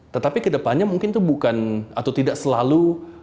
tetapi kedepannya mungkin itu bukan atau tidak selalu